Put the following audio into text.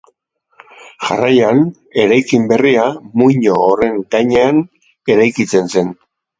Jarraian, eraikin berria muino horren gainean eraikitzen zen.